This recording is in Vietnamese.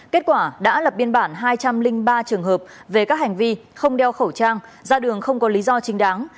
kết quả đã lập biên bản hai trăm linh ba trường hợp về các hành vi không đeo khẩu trang ra đường không có lý do chính đáng